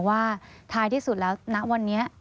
ว่าท้ายที่สุดแล้วณวันนี้